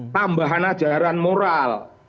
tambahan ajaran moral